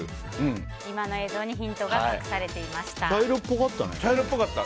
今の映像にヒントが隠されていました。